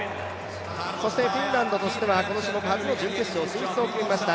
そしてフィンランドとしてはこの種目初の準決勝進出を決めました